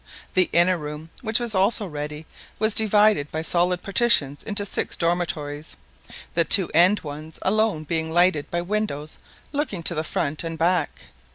The inner room, which was also ready, was divided by solid partitions into six dormitories, the two end ones alone being lighted by windows looking to the front and back.